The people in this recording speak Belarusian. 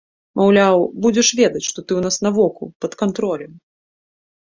Маўляў, будзеш ведаць, што ты ў нас на воку, пад кантролем.